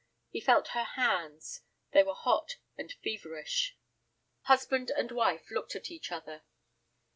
He felt her hands; they were hot and feverish. Husband and wife looked at each other.